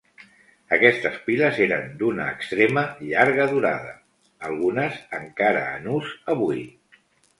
Aquestes piles eren d'una extrema llarga durada, algunes encara en ús avui.